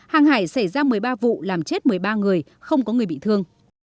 hàng hải xảy ra một mươi ba vụ làm chết một mươi ba người không có người bị thương